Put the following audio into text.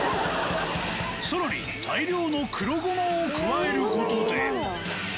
さらに大量の黒ゴマを加える事で